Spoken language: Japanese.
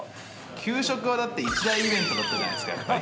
給食はだって、一大イベントだったじゃないですか、やっぱり。